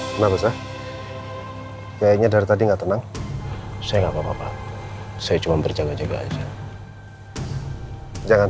kenapa saya kayaknya dari tadi nggak tenang saya nggak papa saya cuma berjaga jaga aja jangan